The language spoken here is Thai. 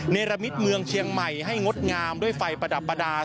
ในระมิตเมืองเชียงใหม่ให้งดงามด้วยไฟประดับประดาษ